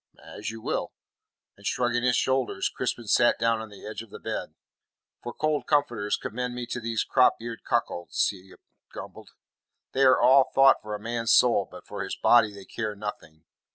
"As you will." And shrugging his shoulders, Crispin sat down on the edge of the bed. "For cold comforters commend me to these cropeared cuckolds," he grumbled. "They are all thought for a man's soul, but for his body they care nothing.